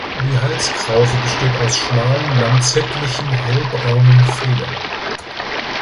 Die Halskrause besteht aus schmal lanzettlichen, hellbraunen Federn.